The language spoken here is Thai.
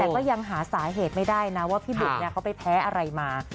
แต่ก็ยังหาสาเหตุไม่ได้นะว่าพี่บุ๋มเขาไปแพ้อะไรมา